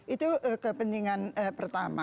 itu kepentingan pertama